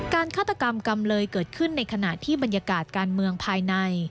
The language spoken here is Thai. ฆาตกรรมกำเลยเกิดขึ้นในขณะที่บรรยากาศการเมืองภายใน